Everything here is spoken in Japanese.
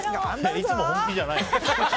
いつも本気じゃないの？